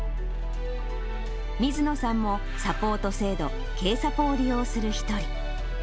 水野さんもサポート制度、けいさぽを利用する一人。